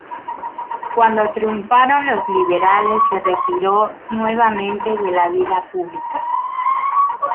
Cuando triunfaron los liberales se retiró nuevamente de la vida pública.